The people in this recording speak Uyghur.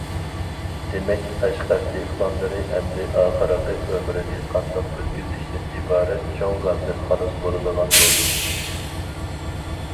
دېمەك، قەشقەر دېھقانلىرى ئەمدى ئاخىرقى ئۆمرىنى قانداق ئۆتكۈزۈشتىن ئىبارەت چوڭ غەمدىن خالاس بولىدىغان بولدى.